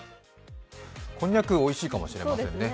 こんにゃくおいしいかもしれませんね。